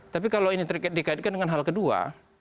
tapi kalau ini dikaitkan dengan hal kedua